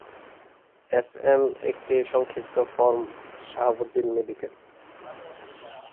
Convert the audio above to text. SM একটি সংক্ষিপ্ত form "Shahabuddin medical"